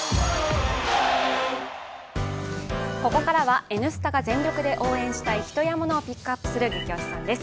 ここからは「Ｎスタ」が全力で応援したい人やものをピックアップする「ゲキ推しさん」です。